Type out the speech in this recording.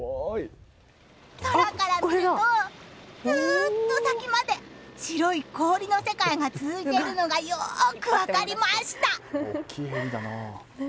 空から見ると、ずっと先まで白い氷の世界が続いているのがよく分かりました！